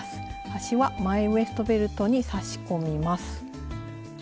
端は前ウエストベルトに差し込みます。